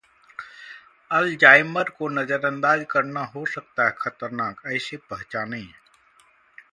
Alzheimer को नजरअंदाज करना हो सकता है खतरनाक, ऐसे पहचानें